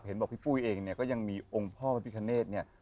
บอกพี่ปุ้ยเองเนี่ยก็ยังมีองค์พ่อพระพิคเนธเนี่ย